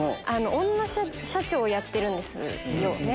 女社長をやってるんですよね。